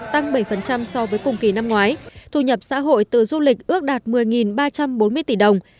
tăng bảy so với cùng kỳ năm ngoái thu nhập xã hội từ du lịch ước đạt một mươi ba trăm bốn mươi tỷ đồng